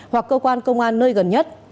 hoặc cơ quan công an nơi gần nhất